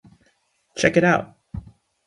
Check It Out!